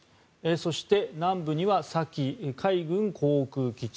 そして、南部にはサキ海軍航空基地